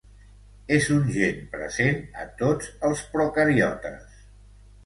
És un gen present a tots els procariotes.